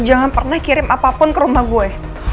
jangan pernah kirim apapun ke rumah gue